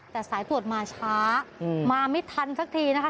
แต่สายตรวจมาช้ามาไม่ทันสักทีนะคะ